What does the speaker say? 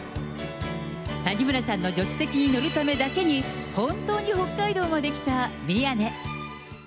谷村さんの助手席に乗るためだけに、本当に北海道まで来た宮根。